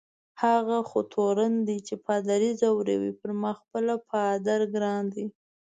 هغه خو تورن دی چي پادري ځوروي، پر ما خپله پادر ګران دی.